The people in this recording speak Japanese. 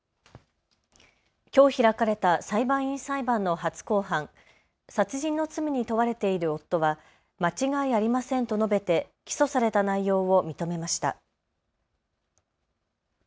きょう開かれた裁判員裁判の初公判、殺人の罪に問われている夫は間違いありませんと述べて起訴された内容を認めました。